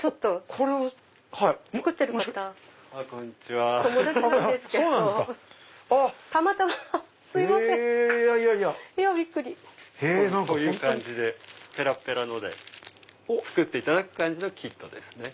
こういう感じでペラペラので作っていただく感じのキットです。